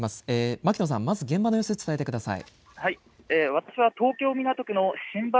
牧野さん、まず現場の様子を伝えてください。